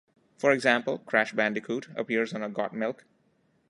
For example, "Crash Bandicoot" appears on a Got Milk?